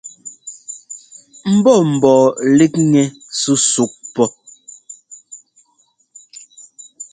Mbɔ́ mbɔɔ líkŋɛ súsúk pɔ.